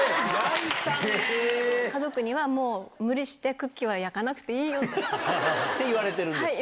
家族には、もう、無理してクッキーは焼かなくていいよって。って言われてるんですか？